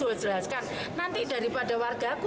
menegaskan nanti daripada warga aku